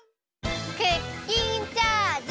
クッキンチャージ！